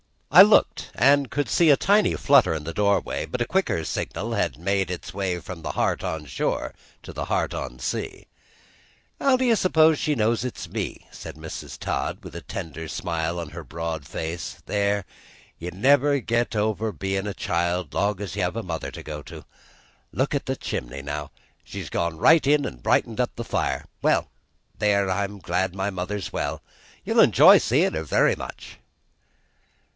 I looked, and could see a tiny flutter in the doorway, but a quicker signal had made its way from the heart on shore to the heart on the sea. "How do you suppose she knows it is me?" said Mrs. Todd, with a tender smile on her broad face. "There, you never get over bein' a child long's you have a mother to go to. Look at the chimney, now; she's gone right in an' brightened up the fire. Well, there, I'm glad mother's well; you'll enjoy seein' her very much."